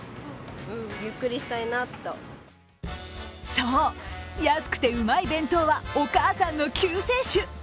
そう、安くてうまい弁当はお母さんの救世主。